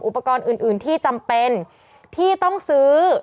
อุปกรณ์อื่นที่จำเป็นที่ต้องซื้อ